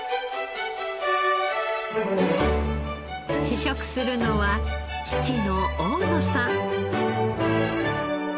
試食するのは父の大野さん。